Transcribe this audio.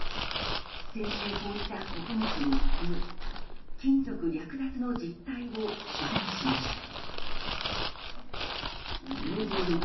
先週、報じた穀物に次ぐ金属略奪の実態を取材しました。